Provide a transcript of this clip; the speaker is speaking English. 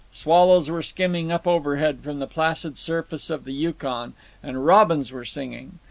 Swallows were skimming up overhead from the placid surface of the Yukon, and robins were singing.